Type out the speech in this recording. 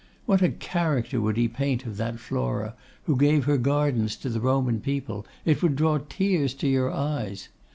What a character would he paint of that Flora who gave her gardens to the Roman people! It would draw tears to your eyes.